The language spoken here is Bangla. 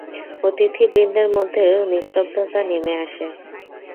অতিথিবৃন্দের মধ্যেও নিস্তব্ধতা নেমে আসে।